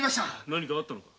何かあったのか？